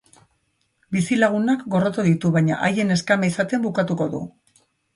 Bizi lagunak gorroto ditu, baina haien neskame izaten bukatuko du.